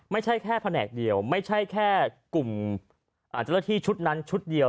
ไม่ใช่แค่แผนกเดียวไม่ใช่แค่กลุ่มเจ้าหน้าที่ชุดนั้นชุดเดียว